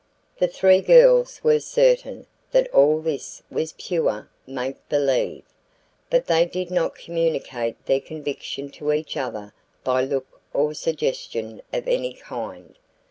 The three girls were certain that all this was pure "make believe," but they did not communicate their conviction to each other by look or suggestion of any kind.